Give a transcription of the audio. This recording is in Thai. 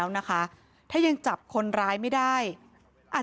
เหตุการณ์เกิดขึ้นแถวคลองแปดลำลูกกา